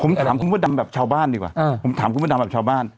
ผมถามคุณพระดำแบบชาวบ้านดีกว่าผมถามคุณพระดำแบบชาวบ้าน